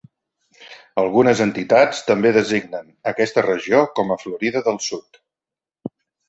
Algunes entitats també designen aquesta regió com a "Florida del Sud".